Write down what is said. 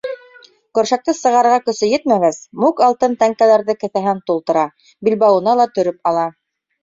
Көршәкте сығарырға көсө етмәгәс, Мук алтын тәңкәләрҙе кеҫәһенә тултыра, билбауына ла төрөп ала.